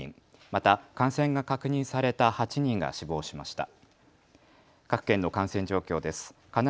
また感染が確認された８人が死亡しました。